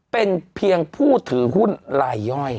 เป็นเพียงผู้ถือหุ้นลายย่อย